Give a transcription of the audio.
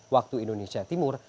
waktu indonesia timur